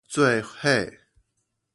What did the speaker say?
做伙